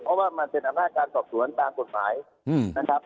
เพราะว่ามันเป็นอำนาจการสอบสวนตามกฎหมายนะครับ